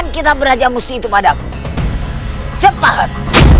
kita merajamu sih itu padaku cepat